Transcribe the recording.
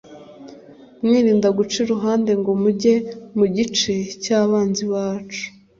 mwirinda guca iruhande ngo mujye mu gice cy'abanzi bacu